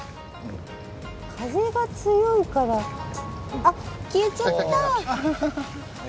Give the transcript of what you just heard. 風が強いからあっ、消えちゃった。